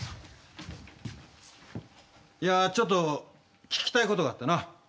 いやちょっと聞きたいことがあってな。